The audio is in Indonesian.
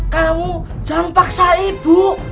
kamu jangan paksa ibu